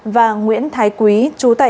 và nguyễn thái quý trú tại